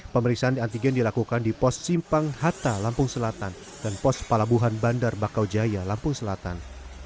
pemeriksaan antigen dilakukan di pos simpang hatta lampung selatan dan pos pelabuhan bandar bakau jaya lampung selatan